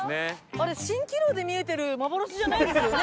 あれ蜃気楼で見えてる幻じゃないですよね？